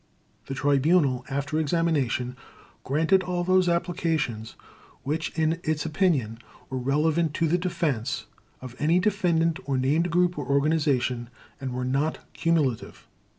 The Tribunal, after examination, granted all those applications which in its opinion were relevant to the defense of any defendant or named group or organization, and were not cumulative.